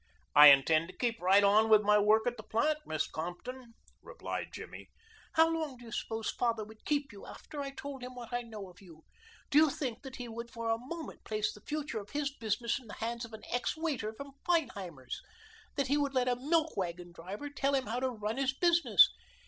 "I intend to keep right on with my work in the plant, Miss Compton," replied Jimmy. "How long do you suppose father would keep you after I told him what I know of you? Do you think that he would for a moment place the future of his business in the hands of an ex waiter from Feinheimer's that he would let a milk wagon driver tell him how to run his business?"